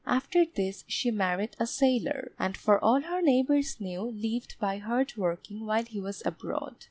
After this she married a sailor, and for all her neighbours knew, lived by hard working while he was abroad.